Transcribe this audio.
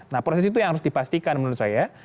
nah proses itu yang harus dipastikan menurut saya